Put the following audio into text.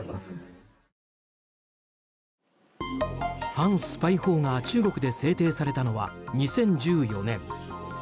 反スパイ法が、中国で制定されたのは２０１４年。